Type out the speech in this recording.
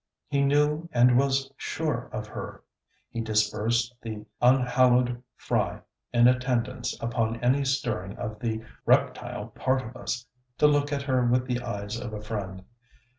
He knew and was sure of her. He dispersed the unhallowed fry in attendance upon any stirring of the reptile part of us, to look at her with the eyes of a friend.